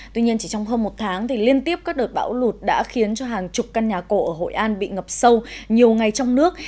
tuy nhiên chỉ trong hơn một tháng thì liên tiếp các đợt bão lụt đã khiến cho hàng chục căn nhà cổ ở hội an bị ngập sâu nhiều ngày trong nước